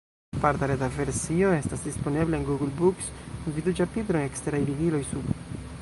Parta reta versio estas disponebla en Google Books (vidu ĉapitron "Eksteraj ligiloj" sube).